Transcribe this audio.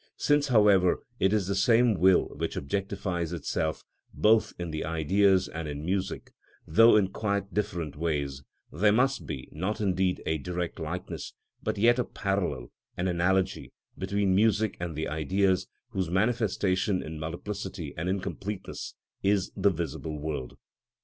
Since, however, it is the same will which objectifies itself both in the Ideas and in music, though in quite different ways, there must be, not indeed a direct likeness, but yet a parallel, an analogy, between music and the Ideas whose manifestation in multiplicity and incompleteness is the visible world.